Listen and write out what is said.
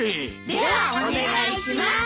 ではお願いします。